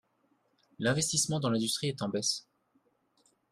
L’investissement dans l’industrie est en baisse.